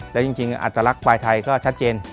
แล้วจริงอัตลักษณ์ปลายไทยก็ชัดเจน